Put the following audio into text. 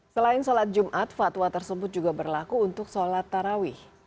selain sholat jumat fatwa tersebut juga berlaku untuk sholat tarawih